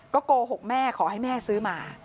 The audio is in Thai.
โกหกแม่ขอให้แม่ซื้อมา